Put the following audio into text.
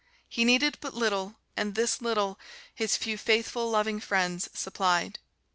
He needed but little, and this little his few faithful, loving friends supplied.